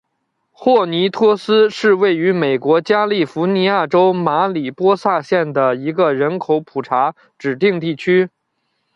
霍尼托斯是位于美国加利福尼亚州马里波萨县的一个人口普查指定地区。